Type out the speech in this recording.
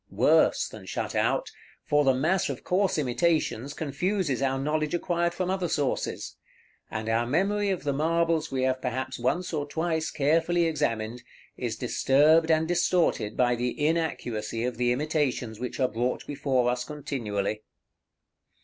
Worse than shut out, for the mass of coarse imitations confuses our knowledge acquired from other sources; and our memory of the marbles we have perhaps once or twice carefully examined, is disturbed and distorted by the inaccuracy of the imitations which are brought before us continually.